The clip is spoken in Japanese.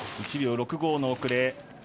１秒６５の遅れ。